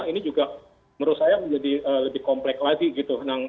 ini juga menurut saya menjadi lebih komplek lagi gitu